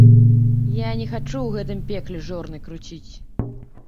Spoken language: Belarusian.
Я не хачу ў гэтым пекле жорны круціць!